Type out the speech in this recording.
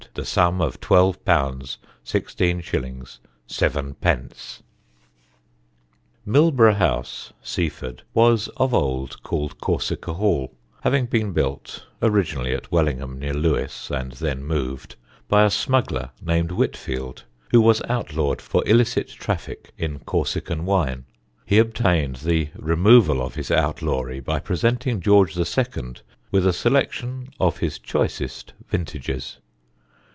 ye sum of twelve pounds, sixteen shillings, seven pence." [Sidenote: THE PRICE OF TWO VOTES] Millburgh House, Seaford, was of old called Corsica Hall, having been built (originally at Wellingham, near Lewes, and then moved) by a smuggler named Whitfield, who was outlawed for illicit traffic in Corsican wine. He obtained the removal of his outlawry by presenting George II. with a selection of his choicest vintages.